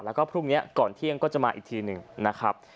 แล้วก็พรุ่งนี้ก่อนเที่ยงก็จะมาอีกทีหนึ่งนะครับ